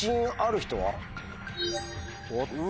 おっと！